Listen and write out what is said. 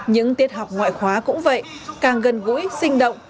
những tiết học ngoại khóa cũng vậy càng gần gũi sinh động